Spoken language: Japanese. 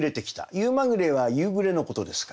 「夕まぐれ」は夕暮れのことですから。